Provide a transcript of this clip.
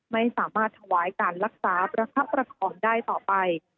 ไม่สามารถถวายการรักษาประคับประคองได้ต่อไป